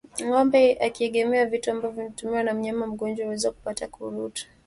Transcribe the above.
Ngombe akiegemea vitu ambavyo vimetumiwa na mnyama mgonjwa huweza kupata ukurutu